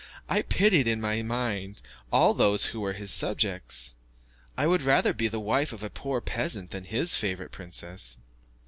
I pitied, in my mind, all those who were his subjects. I would rather be the wife of a poor peasant than his favourite princess.